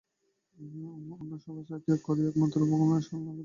অন্য সব আশ্রয় ত্যাগ করিয়া সে একমাত্র ভগবানের শরণাগত হয়।